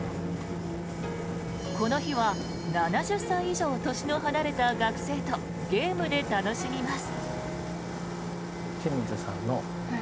この日は７０歳以上年の離れた学生とゲームで楽しみます。